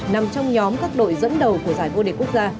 nằm trong nhóm các đội dẫn đầu của giải vô địch quốc gia